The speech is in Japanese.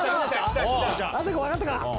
あさこ分かったか？